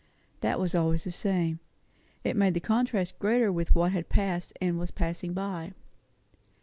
That was always the same. It made the contrast greater with what had passed and was passing away.